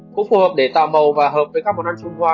cũng phù hợp để tạo màu và hợp với các món ăn trung hoa